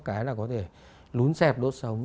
cái là có thể lún xẹp đốt sống